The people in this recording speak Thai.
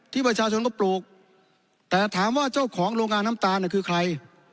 ประชาชนก็ปลูกแต่ถามว่าเจ้าของโรงงานน้ำตาลเนี่ยคือใคร